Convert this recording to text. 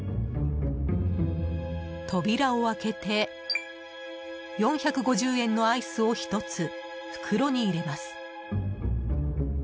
扉を開けて、４５０円のアイスを１つ、袋に入れます。